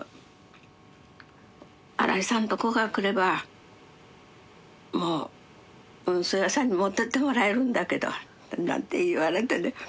「新井さんとこが来ればもう運送屋さんに持ってってもらえるんだけど」なんて言われてね。